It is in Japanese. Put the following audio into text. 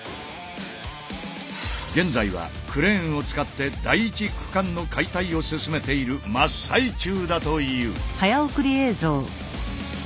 現在はクレーンを使って第１区間の解体を進めている真っ最中だという。